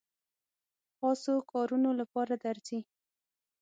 خاصو کارونو لپاره درځي.